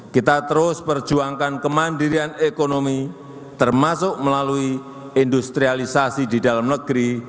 kita terus perjuangkan kemandirian ekonomi termasuk melalui industrialisasi di dalam negeri